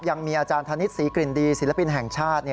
ยังมีอาจารย์ธนิษฐศรีกลิ่นดีศิลปินแห่งชาติ